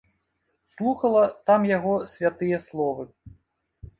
Слухала там яго святыя словы.